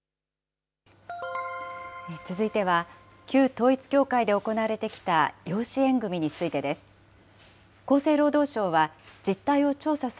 続いては、旧統一教会で行われてきた養子縁組についてです。